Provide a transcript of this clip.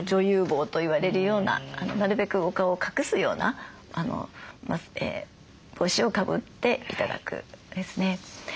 帽と言われるようななるべくお顔を隠すような帽子をかぶって頂くですね。